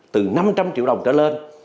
từ năm trăm linh triệu đồng trở lên